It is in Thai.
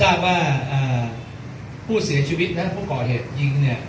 ทราบว่าคู่เสียชีวิตนะฮะเพราะเกาะฮีตยิงเนี้ย